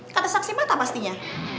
kata saksi mata pastinya